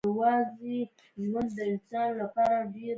دوی به له جګړې پټېدل خو نن ماته کنایه وايي